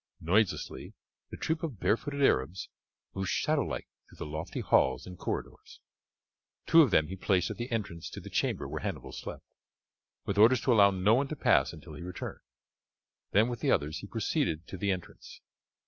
Noiselessly the troop of barefooted Arabs moved shadowlike through the lofty halls and corridors. Two of them he placed at the entrance to the chamber where Hannibal slept, with orders to allow no one to pass until he returned, then with the others he proceeded to the entrance.